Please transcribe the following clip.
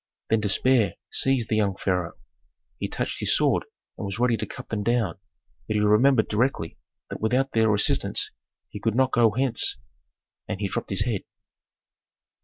Then despair seized the young pharaoh; he touched his sword and was ready to cut them down. But he remembered directly that without their assistance he could not go hence, and he dropped his head.